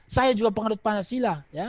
saya juga pengadut pancasila